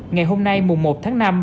ngày hôm nay mùa một tháng năm